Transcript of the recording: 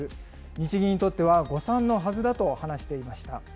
日銀にとっては誤算のはずだと話していました。